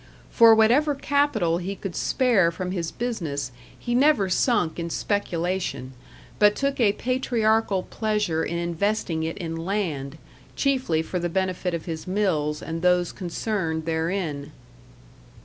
For whatever capital he could spare from his business he never sunk in speculation, but took a patriarchal pleasure in investing it in land, chiefly for the benefit of his mills and those concerned therein.